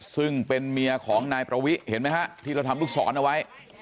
ซึ่งเป็นเมียของนายประวิเห็นไหมฮะที่เราทำลูกศรเอาไว้